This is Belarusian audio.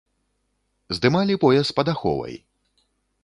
Здымалі пояс пад аховай!